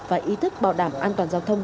và ý thức bảo đảm an toàn giao thông